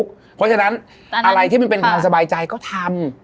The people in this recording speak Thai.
เพราะฉะนั้นอะไรที่มันเป็นความสบายใจก็ทำ